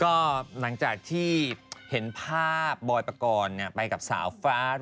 ก็หลังจากที่เห็นภาพบอยปะกรไปกับสาวฝรั่ง